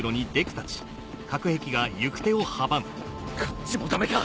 こっちもダメか。